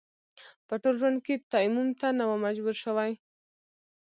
په ټول ژوند کې تيمم ته نه وم مجبور شوی.